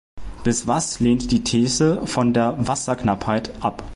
Biswas lehnt die These von der Wasserknappheit ab.